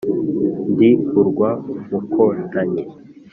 ndi urwa mukotanyi.